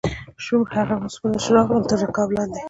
شوم هغه اوسپنه چې راغلم تر رکاب لاندې